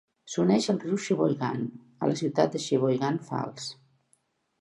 S'uneix al riu Sheboygan a la ciutat de Sheboygan Falls.